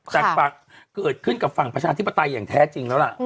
แต่เกิดขึ้นกับฝั่งประชาธิปไตยอย่างแท้จริงแล้วล่ะ